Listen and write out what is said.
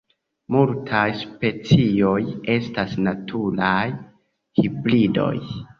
Multaj specioj estas naturaj hibridoj.